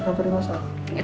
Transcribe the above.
kantor yang masal